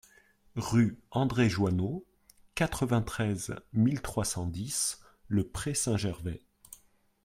Rue André Joineau, quatre-vingt-treize mille trois cent dix Le Pré-Saint-Gervais